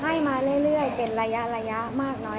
ให้มาเรื่อยเป็นระยะมากน้อย